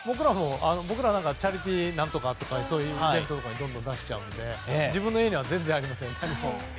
僕らチャリティー何とかというそういうイベントとかにどんどん出しちゃうので自分の家には全然ありません。